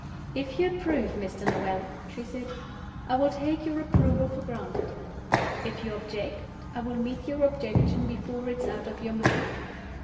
"If you approve, Mr. Noel," she said, "I will take your approval for granted. If you object, I will meet your objection before it is out of your mouth.